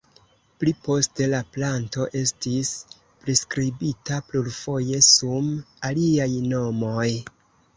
Pli poste la planto estis priskribita plurfoje sum aliaj nomoj.